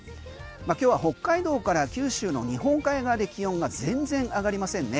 今日は北海道から九州の日本海側で気温が全然上がりませんね。